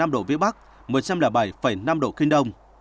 hai mươi năm độ vĩ bắc một trăm linh bảy năm độ kinh đông